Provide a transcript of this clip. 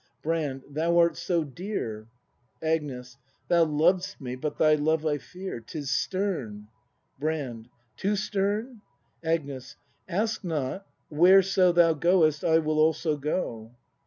Brand. Thou art so dear. Agnes. Thou lov'st me, but thy love I fear. 'Tis stern. Brand. Too stern ? Agnes. Ask not; whereso Thou goest, I will also go!